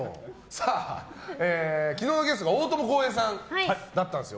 さあ、昨日のゲストが大友康平さんだったんですよ。